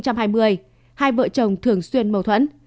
hai vợ chồng thường xuyên mâu thuẫn